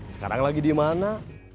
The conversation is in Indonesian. sekarang lagi di mana